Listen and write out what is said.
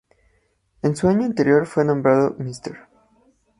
En su año senior fue nombrado “Mr.